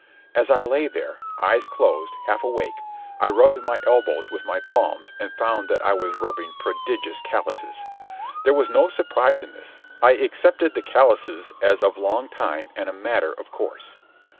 As I lay there, eyes closed, half awake, I rubbed my elbows with my palms and found that I was rubbing prodigious calluses. There was no surprise in this. I accepted the calluses as of long time and a matter of course.